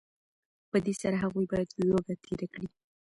په دې سره هغوی باید لوږه تېره کړي